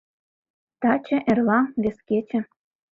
ТАЧЕ, ЭРЛА, ВЕС КЕЧЕ...